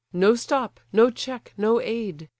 No stop, no check, no aid!